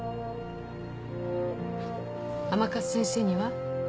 甘春先生には？